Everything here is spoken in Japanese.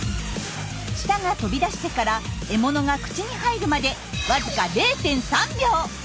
舌が飛び出してから獲物が口に入るまでわずか０．３秒！